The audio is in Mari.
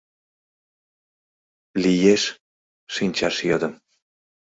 — Лиеш? — шинчаш йодым.